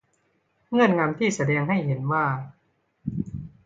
เงื่อนงำที่แสดงให้เห็นว่า